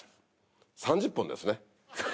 ３０本ですね。